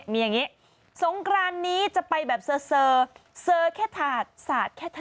มีอย่างนี้สงครานนี้จะไปแบบเสอเสอแค่ถาดสาดแค่เธอ